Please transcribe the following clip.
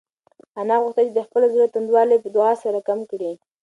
انا غوښتل چې د خپل زړه توندوالی په دعا سره کم کړي.